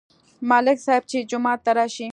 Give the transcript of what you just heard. ملک صاحب چې جومات ته راشي،